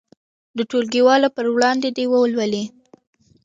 د ټولګیوالو په وړاندې دې ولولي.